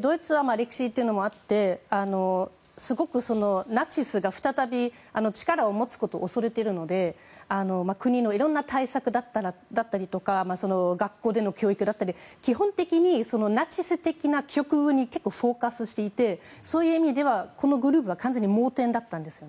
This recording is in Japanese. ドイツは歴史というのもあってすごくナチスが再び力を持つことを恐れているので国のいろんな対策だったりとか学校での教育だったり基本的にナチス的な極右に結構フォーカスしていてそういう意味ではこのグループは完全に盲点だったんです。